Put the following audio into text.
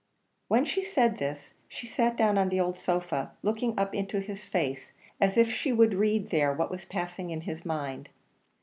When she said this, she sat down on the old sofa, looking up into his face, as if she would read there what was passing in his mind.